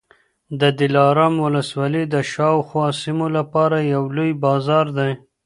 د دلارام ولسوالي د شاوخوا سیمو لپاره یو لوی بازار دی